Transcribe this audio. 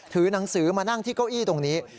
หนังสือมานั่งที่เก้าอี้ตรงนี้